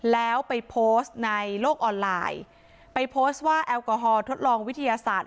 แล้วไปโพสต์ในโลกออนไลน์ไปโพสต์ว่าแอลกอฮอลทดลองวิทยาศาสตร์